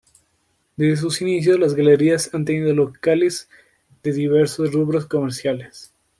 Desde sus inicios las galerías han tenido locales de diversos rubros comerciales.